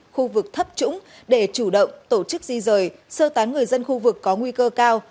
khu vực thấp trũng để chủ động tổ chức di rời sơ tán người dân khu vực có nguy cơ cao